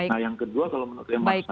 nah yang kedua kalau menurut saya